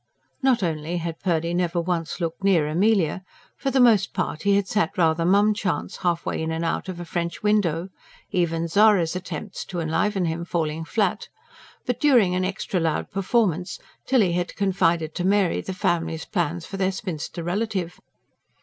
Not only had Purdy never once looked near Amelia for the most part he had sat rather mum chance, half way in and out of a French window, even Zara's attempts to enliven him falling flat but, during an extra loud performance, Tilly had confided to Mary the family's plans for their spinster relative.